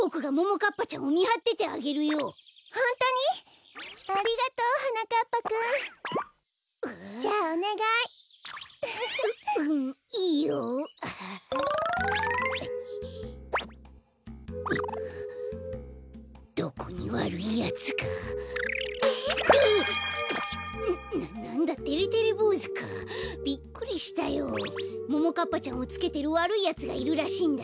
ももかっぱちゃんをつけてるわるいやつがいるらしいんだ。